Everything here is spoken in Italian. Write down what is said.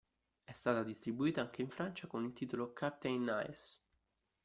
È stata distribuita anche in Francia con il titolo "Captain Nice".